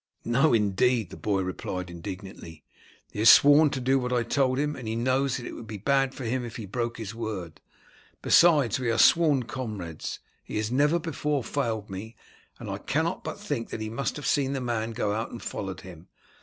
"No, indeed," the boy replied indignantly; "he has sworn to do what I told him, and he knows that it would be bad for him if he broke his word; besides, we are sworn comrades. He has never before failed me, and I cannot but think that he must have seen the man go out and followed him.